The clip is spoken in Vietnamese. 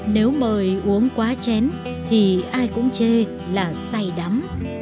nếu mời uống quá chén thì ai cũng chê là say đắm